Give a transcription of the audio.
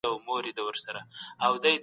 بې باوري تر جګړې ډېره خطرناکه ده.